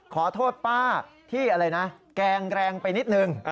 ขอโทษป้าที่แกงแรงไปนิดหนึ่ง